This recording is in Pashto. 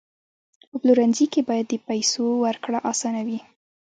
په پلورنځي کې باید د پیسو ورکړه اسانه وي.